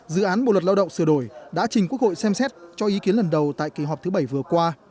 dự án bộ luật lao động sửa đổi đã trình quốc hội xem xét cho ý kiến lần đầu tại kỳ họp thứ bảy vừa qua